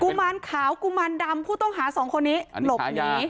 มารขาวกุมารดำผู้ต้องหาสองคนนี้หลบหนี